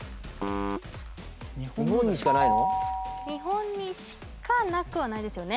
日本にしかなくはないですよね？